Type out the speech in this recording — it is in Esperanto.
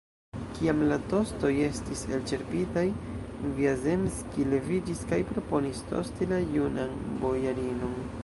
Kiam la tostoj estis elĉerpitaj, Vjazemskij leviĝis kaj proponis tosti la junan bojarinon.